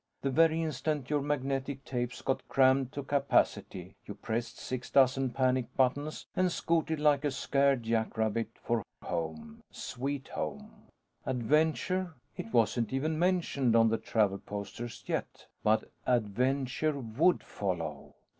The very instant your magnetic tapes got crammed to capacity, you pressed six dozen panic buttons and scooted like a scared jackrabbit for Home, Sweet Home. Adventure? It wasn't even mentioned on the travel posters, yet. But, adventure would follow.